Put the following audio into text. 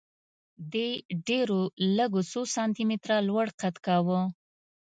دې ډېرو لږو څو سانتي متره لوړ قد کاوه